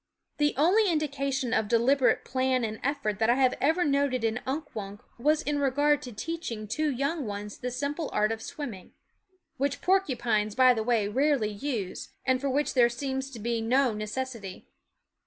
*vJT 7 ^. r 1/nktJunk SCHOOL Of l/nk The only indication of deliberate plan and effort that I have ever noted in Unk Wunk was in regard to teaching two young ones the simple art of swimming, which porcu pines, by the way, rarely use, and for which there seems to be no necessity.